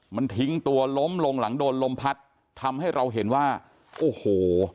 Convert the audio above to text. มันทิ้งตัวล้มลงหลังโดนลมพัดทำให้เราเห็นว่าโอ้โห